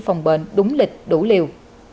phòng bệnh đúng lịch đủ liều